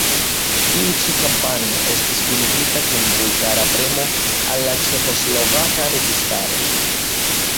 Tiu ĉi kampanjo estis kunigita kun vulgara premo al la ĉeĥoslovaka registaro.